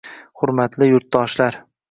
Hurmatli yurtdoshlar